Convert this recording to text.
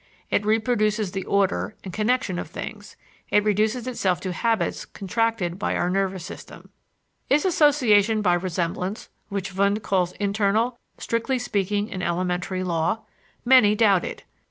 It reproduces the order and connection of things; it reduces itself to habits contracted by our nervous system. Is association by resemblance, which Wundt calls internal, strictly speaking, an elementary law? Many doubt it.